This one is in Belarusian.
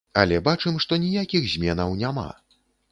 Але бачым, што ніякіх зменаў няма.